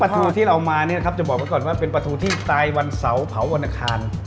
ปลาทูที่เราเอามาเนี่ยครับจะบอกมาก่อนว่าเป็นปลาทูที่ตายวันเสาร์เผาอุณหาล